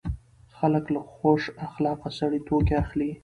خلک له خوش اخلاقه سړي توکي اخلي.